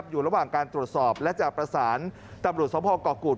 อยู่ระหว่างการตรวจสอบและจะประสานตำรวจสภเกาะกุฎ